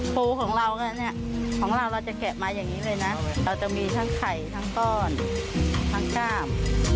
ปูของเราเนี่ยของเราเราจะแกะมาอย่างนี้เลยนะเราจะมีทั้งไข่ทั้งก้อนทั้งกล้าม